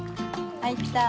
はいった。